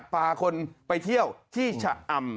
พาคนไปเที่ยวที่ชะอำ